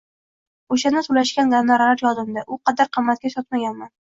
Oʻshanda toʻlashgan gonorari yodimda, u qadar qimmatga sotmaganman.